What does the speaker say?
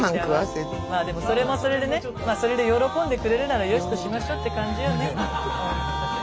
まあでもそれもそれでねそれで喜んでくれるならよしとしましょうって感じよね。